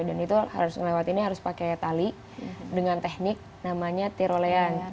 dan itu harus ngelewatinnya harus pakai tali dengan teknik namanya tirolean